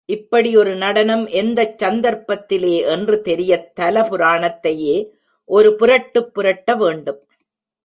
இப்படி ஒரு நடனம் எந்தச் சந்தர்ப்பத்திலே என்று தெரியத் தல புராணத்தையே ஒரு புரட்டுப் புரட்ட வேண்டும்.